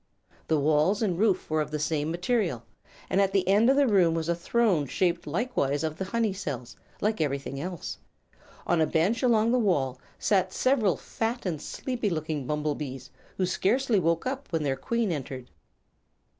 The walls and roof were of the same material, and at the end of the room was a throne shaped likewise of the honey cells, like everything else. On a bench along the wall sat several fat and sleepy looking bumble bees, who scarcely woke up when their queen entered.